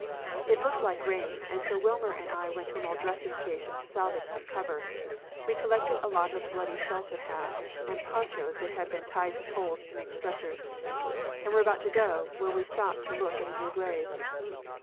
It looked like rain, and so Wilmer and I went to an old dressing station to salvage some cover. We collected a lot of bloody shelter halves and ponchos that had been tied to poles to make stretchers, and were about to go, when we stopped to look at a new grave.